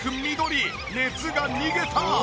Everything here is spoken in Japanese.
熱が逃げた！